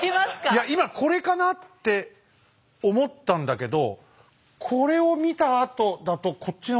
いや今これかなって思ったんだけどこれを見たあとだとこっちの方が家康っぽい。